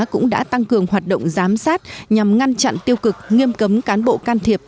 cũng đã tăng cường hoạt động giám sát nhằm ngăn chặn tiêu cực nghiêm cấm cán bộ can thiệp